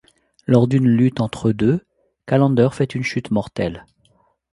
Lors d'une lutte entre eux deux, Callender fait une chute mortelle.